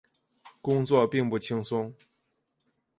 工作并不轻松